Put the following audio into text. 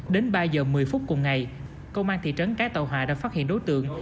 đến ba giờ một mươi phút cùng ngày công an thị trấn cái tàu hòa đã phát hiện đối tượng